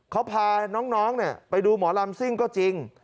เขาพาน้องไปดูหมอลำซิ่งก็จริง